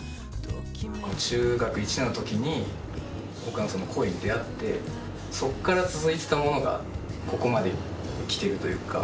中学１年のときに岡野さんの声に出会って、そっから続いてきたものがここまできてるというか。